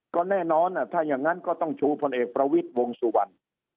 ก็แน่นอนจะต้องชูพลเอกประวิจวงศ์วรรษ